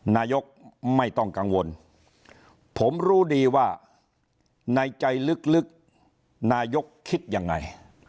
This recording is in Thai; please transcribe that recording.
นายกไม่ต้องกังวลผมรู้ดีว่าในใจลึกนายกคิดยังไง